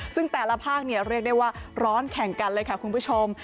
ซึ่งแต่ละภาคเรียกได้ว่าร้อนแข่งกันเลยค่ะคุณผู้ชม